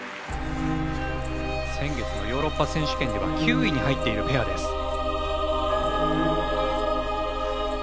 先月のヨーロッパ選手権９位に入っているペアです。